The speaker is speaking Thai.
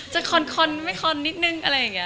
คอนไม่คอนนิดนึงอะไรอย่างนี้